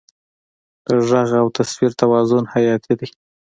د غږ او تصویر توازن حیاتي دی.